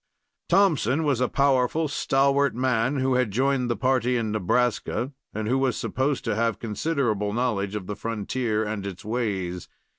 Thompson was a powerful, stalwart man, who had joined the party in Nebraska, and who was supposed to have considerable knowledge of the frontier and its ways.